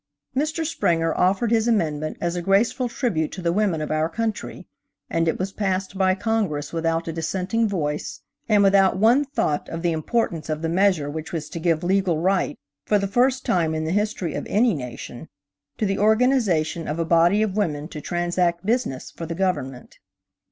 Mr. Springer offered his amendment as a graceful tribute to the women of our country, and it was passed by Congress without a dissenting voice, and without one thought of the importance of the measure which was to give legal right, for the first time in the history of any nation, to the organization of a body of women to transact business for the Government.